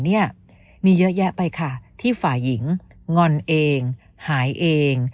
เนี่ยมีเยอะแยะไปค่ะที่ฝ่ายหญิงงอนเองหายเอง